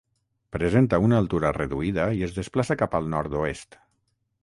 Presenta una altura reduïda i es desplaça cap al nord-oest.